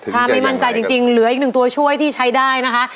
ถ้าไม่มั่นใจจริงเหลืออีกหนึ่งตัวช่วยที่ใช้ได้นะคะ